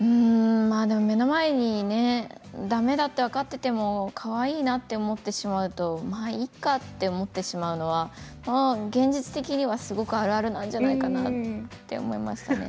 目の前にだめだと分かっていてもかわいいなと思ってしまうと、まあいっかと思ってしまうのは現実的には、すごくあるあるなんじゃないかなって思いましたね。